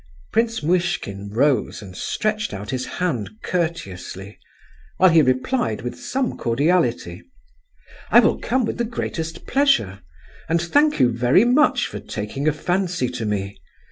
Prince Muishkin rose and stretched out his hand courteously, while he replied with some cordiality: "I will come with the greatest pleasure, and thank you very much for taking a fancy to me.